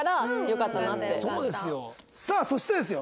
さあそしてですよ